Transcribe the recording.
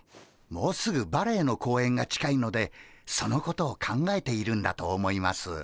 もうすぐバレエの公演が近いのでそのことを考えているんだと思います。